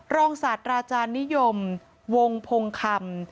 รองศาสตราจานิยมวงพงคำ